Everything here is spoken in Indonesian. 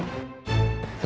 kenapa lo senyum senyum